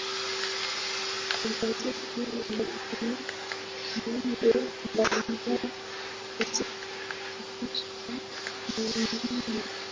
magazeti yanatumia miundo mbalimbali katika kufikisha maudhui